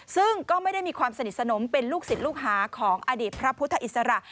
ซึ่งก็ไม่ได้มีความสนิทสนมเป็นลูกศิษย์ลูกหาของอดีตพระพุทธอิสระ